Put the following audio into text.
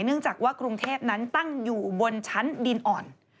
เนื่องจากว่ากรุงเทพนั้นตั้งอยู่บนชั้นดินอ่อน